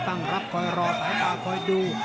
ต้องออกครับอาวุธต้องขยันด้วย